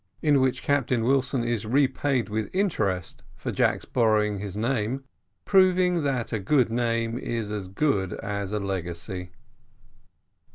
IN WHICH CAPTAIN WILSON IS REPAID WITH INTEREST FOR JACK'S BORROWING HIS NAME; PROVING THAT A GOOD NAME IS AS GOOD AS A LEGACY.